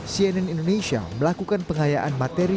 cnn indonesia melakukan pengayaan materi